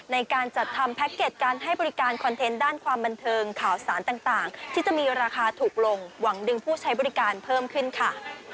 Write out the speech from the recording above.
ในการจัดทำแพ็คเก็ตการให้บริการคอนเทนต์ด้านความบันเทิงข่าวสารต่างที่จะมีราคาถูกลงหวังดึงผู้ใช้บริการเพิ่มขึ้นค่ะ